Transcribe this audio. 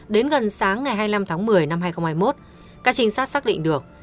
đến gần sáng ngày hai mươi năm tháng một mươi năm hai nghìn hai mươi một các trinh sát xác định được